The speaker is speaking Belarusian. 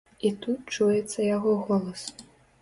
І тут чуецца яго голас.